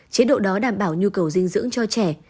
chế độ đó đảm bảo nhu cầu dinh dưỡng cho trẻ